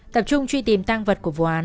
tập trung truy tìm thang vật của vụ án